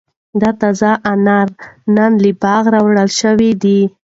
دا تازه انار نن له باغه را ټول شوي دي.